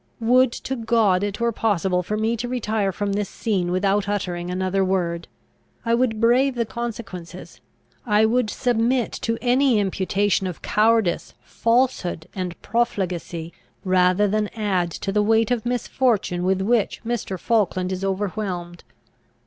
"Would to God it were possible for me to retire from this scene without uttering another word! I would brave the consequences I would submit to any imputation of cowardice, falsehood, and profligacy, rather than add to the weight of misfortune with which Mr. Falkland is overwhelmed.